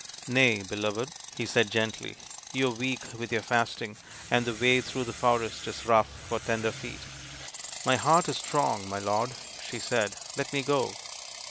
" Nay, beloved," he said gently, " you are weak with your fasting, and the way through the forest is rough for tender feet." " My heart is strong, my lord," she said ;" let me go."